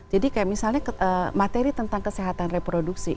jadi kayak misalnya materi tentang kesehatan reproduksi